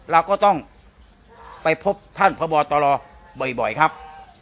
เราก็ต้องไปพบท่านพบตรบ่อยครับ